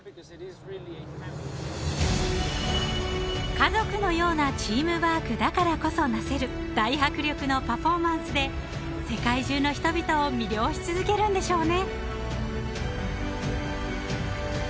［家族のようなチームワークだからこそ成せる大迫力のパフォーマンスで世界中の人々を魅了し続けるんでしょうね］